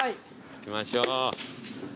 いきましょう。